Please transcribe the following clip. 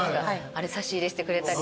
あれ差し入れしてくれたり。